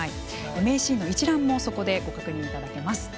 名シーンの一覧もそこでご確認いただけます。